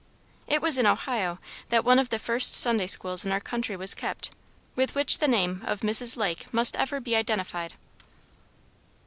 It was in Ohio that one of the first Sunday schools in our country was kept, with which the name of Mrs. Lake must ever be identified.